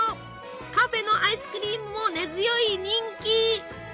カフェのアイスクリームも根強い人気！